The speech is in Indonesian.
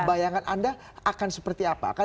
bayangan anda akan seperti apa